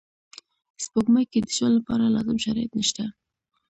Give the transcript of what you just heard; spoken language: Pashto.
سپوږمۍ کې د ژوند لپاره لازم شرایط نشته